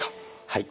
はい。